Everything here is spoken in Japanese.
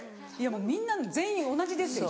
もうみんな全員同じですよ